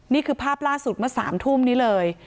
นี่คือภาพล่าสุดเมื่อ๓ทุ่มนี้เลย